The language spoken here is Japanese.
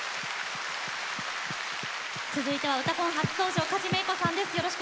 続いては「うたコン」初登場梶芽衣子さんです。